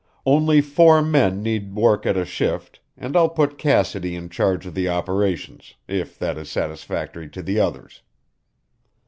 Only four men need work at a shift, and I'll put Cassidy in charge of the operations, if that is satisfactory to the others.